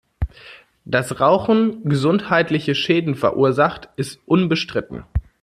Dass Rauchen gesundheitliche Schäden verursacht, ist unbestritten.